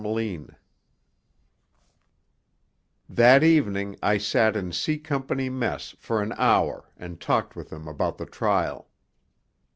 XIII That evening I sat in C Company mess for an hour and talked with them about the trial.